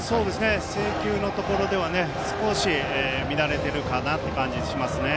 制球のところでは少し乱れてるかなという感じしますね。